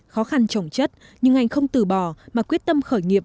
khó khăn trồng chất nhưng anh không từ bỏ mà quyết tâm khởi nghiệp